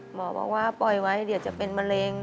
หมอบอกว่าปล่อยไว้เดี๋ยวจะเป็นมะเร็ง